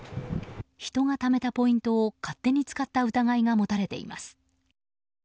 人がためたポイントを勝手に使った疑いが持たれています。